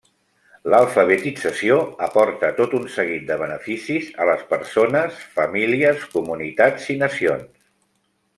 L'alfabetització aporta tot un seguit de beneficis a les persones, famílies, comunitats i nacions.